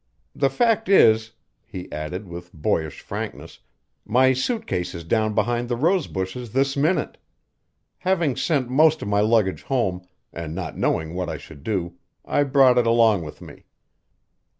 The fact is," he added with boyish frankness, "my suit case is down behind the rose bushes this minute. Having sent most of my luggage home, and not knowing what I should do, I brought it along with me."